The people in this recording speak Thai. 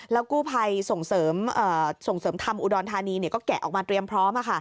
กู้ภัยส่งเสริมธรรมอุดรธานีก็แกะออกมาเตรียมพร้อม